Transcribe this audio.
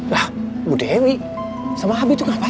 lah bu dewi sama abi tuh ngapain